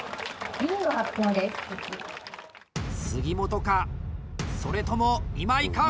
杉本か、それとも今井か。